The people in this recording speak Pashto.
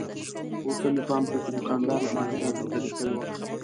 وروسته مې پام شو چې دوکاندار ماهره درغلي کړې وه.